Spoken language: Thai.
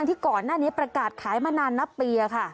ที่ก่อนหน้านี้ประกาศขายมานานนับปีค่ะ